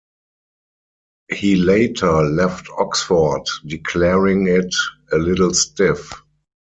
He later left Oxford, declaring it "a little stiff".